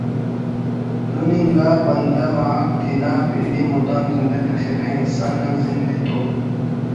دن انگا بندغ آک تینا پن ءِ مدام زندہ تخرہ انسان نا زند ءِ تو